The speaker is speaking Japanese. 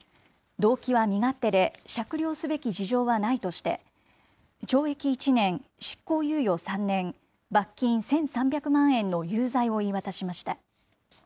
動機は身勝手で、酌量すべき事情はないとして、懲役１年執行猶予３年、罰金１３００万円の有罪を言い渡しました。